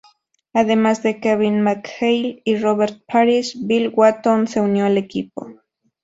Además de Kevin McHale y Robert Parish, Bill Walton se unió al equipo.